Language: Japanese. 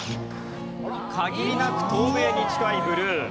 限りなく透明に近いブルー。